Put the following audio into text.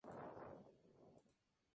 Buenos Aires, Ed.